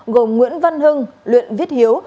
gồm nguyễn văn hưng luyện viết hiếu